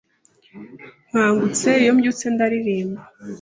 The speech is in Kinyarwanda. Nkangutse iyo mbyutse ndaririmba